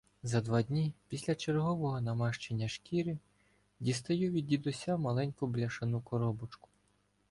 За два дні після чергового намащення шкіри дістаю від дідуся маленьку бляшану коробочку.